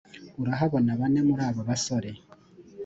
urahabona bane muri abo basore